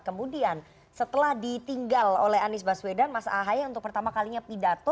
kemudian setelah ditinggal oleh anies baswedan mas ahaye untuk pertama kalinya pidato